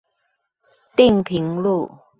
碇坪路